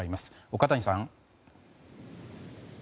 岡谷さん。